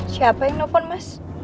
siapa yang telepon mas